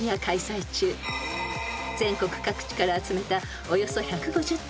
［全国各地から集めた］